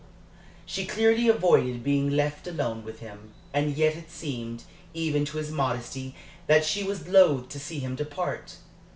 She clearly avoided being left alone with him; and yet it seemed, even to his modesty, that she was loath to see him depart.